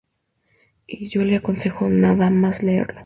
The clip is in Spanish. Y yo le aconsejo nada más leerlo.